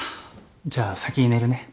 じゃあ先に寝るね。